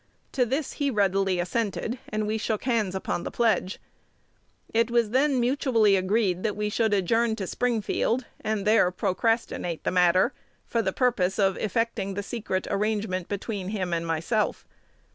To this he readily assented, and we shook hands upon the pledge. It was then mutually agreed that we should adjourn to Springfield, and there procrastinate the matter, for the purpose of effecting the secret arrangement between him and myself.